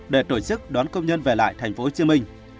để tổ chức đón công nhân về lại tp hcm